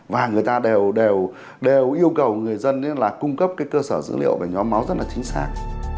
và người ta đều yêu cầu người dân cung cấp cơ sở dữ liệu về nhóm máu rất chính xác